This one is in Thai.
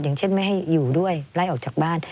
อย่างเช่นไม่ให้อยู่ด้วยไล่ออกจากบ้าน